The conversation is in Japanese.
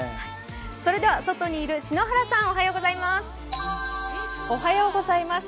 それでは外にいる篠原さん、おはようございます。